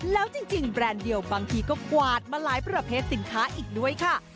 แล้วจริงแบรนด์เดียวบางทีก็กวาดมาหลายประเภทสินค้าอีกด้วยค่ะ